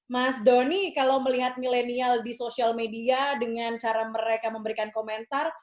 mas doni kalau melihat milenial di sosial media dengan cara mereka memberikan komentar